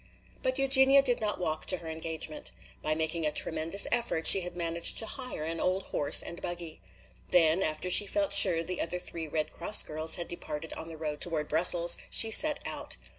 But Eugenia did not walk to her engagement. By making a tremendous effort she had managed to hire an old horse and buggy. Then, after she felt sure the other three Red Cross girls had departed on the road toward Brussels, she set out.